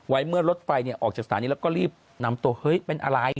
เมื่อรถไฟออกจากสถานีแล้วก็รีบนำตัวเฮ้ยเป็นอะไร